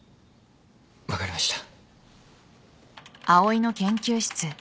分かりました。